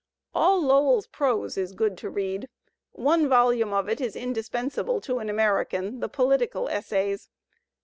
All Lowell*s prose is good to read. One volimie of it is y indispensable to an American, the "Political Essays.